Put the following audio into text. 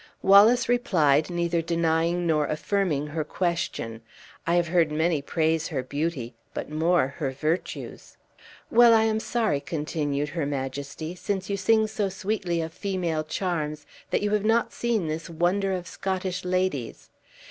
Wallace replied, neither denying nor affirming her question: "I have heard many praise her beauty, but more her virtues." "Well, I am sorry," continued her majesty, "since you sing so sweetly of female charms, that you have not seen this wonder of Scottish ladies.